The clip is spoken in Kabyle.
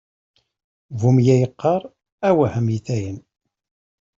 Bu meyya iqqaṛ: awah a mitayen!